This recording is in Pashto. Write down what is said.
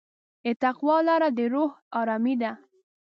د تقوی لاره د روح ارامي ده.